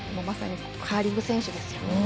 まさにカーリング精神ですよ。